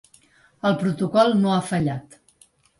El protocol no ha fallat.